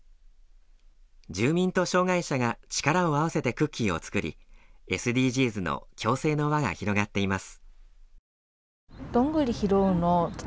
住民と障害者が力を合わせてクッキーを作り、ＳＤＧｓの共生の輪が広がっています。